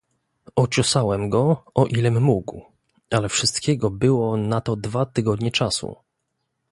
"Ociosałem go, o ilem mógł, ale wszystkiego było na to dwa tygodnie czasu."